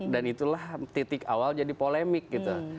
dan itulah titik awal jadi polemik gitu